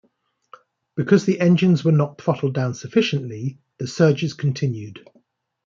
Because the engines were not throttled down sufficiently, the surges continued.